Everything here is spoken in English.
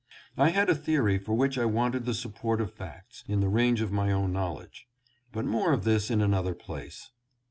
I had a theory for which I wanted the support of facts in the range of my own knowledge. But more of this in another place.